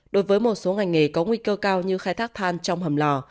đối với một số ngành nghề có nguy cơ cao như khai thác than trong hầm lò